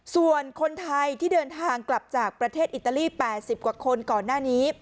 ส่วนคนไทยที่เดินทางกลับจากประเทศอิตาลี๘๐กว่าคนก่อนหน้านี้